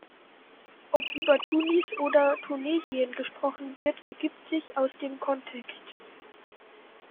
Ob über Tunis oder Tunesien gesprochen wird, ergibt sich aus dem Kontext.